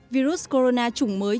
virus corona trùng mới